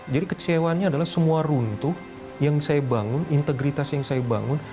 kecewaannya adalah semua runtuh yang saya bangun integritas yang saya bangun